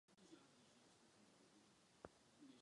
Obsahuje šestnáct dvorců.